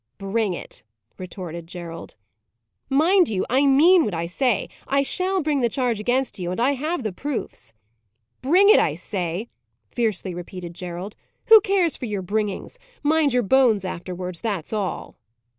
"Bring it," retorted Gerald. "Mind you, I mean what I say. I shall bring the charge against you, and I have the proofs." "Bring it, I say!" fiercely repeated Gerald. "Who cares for your bringings? Mind your bones afterwards, that's all!"